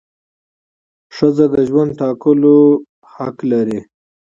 ښځه د ژوند د ټاکلو حق لري.